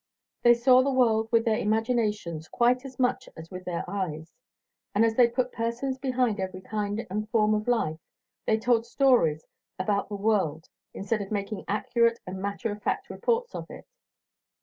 They saw the world with their imaginations quite as much as with their eyes, and as they put persons behind every kind and form of life, they told stories about the world instead of making accurate and matter of fact reports of it.